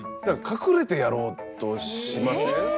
だから隠れてやろうとしません？